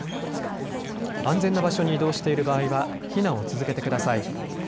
安全な場所に移動している場合は避難を続けてください。